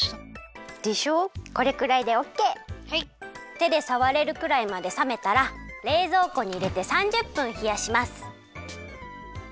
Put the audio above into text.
てでさわれるくらいまでさめたられいぞうこにいれて３０分ひやします。